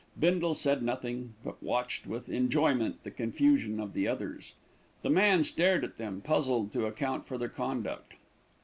Bindle said nothing; but watched with enjoyment the confusion of the others. The man stared at them, puzzled to account for their conduct.